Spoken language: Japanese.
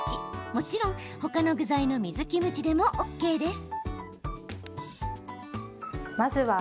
もちろん他の具材の水キムチでもＯＫです。